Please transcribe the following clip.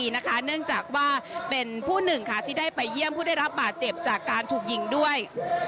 เนื่องจากว่าเป็นผู้หนึ่งค่ะที่ได้ไปเยี่ยมผู้ได้รับบาดเจ็บจากการถูกยิงด้วย